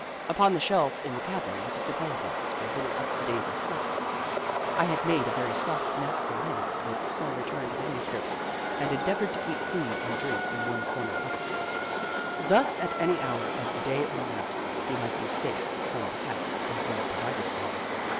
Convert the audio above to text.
Upon the shelf in the cabin was a cigar box where Little Upsidaisi slept. ,1 had made a very soft nest for him with some returned manu scripts, and endeavoured to keep food and drink in one corner of it. Thus, at any hour of the day or night, he might be safe from the Cat and well provided for.